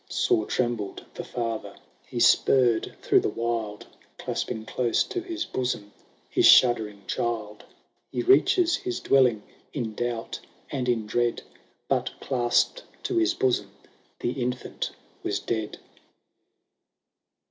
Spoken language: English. — Sore trembled the father ; he spurred through the wild, Clasping close to his bosom his shuddering child. He reaches his dwelling in doubt and in dread ; But, clasped to his bosom, the infant was dead